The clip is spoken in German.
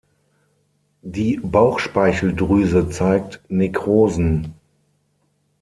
Die Bauchspeicheldrüse zeigt Nekrosen.